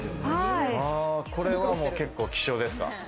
これはもう結構、希少ですか？